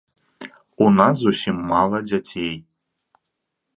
У нас зусім мала дзяцей.